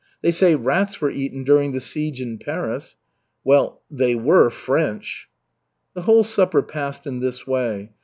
They say rats were eaten during the siege in Paris." "Well, they were French!" The whole supper passed in this way.